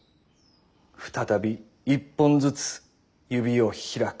再び一本ずつ指を開く。